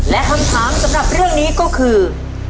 และคำถามสำหรับเรื่องนี้ก็คือ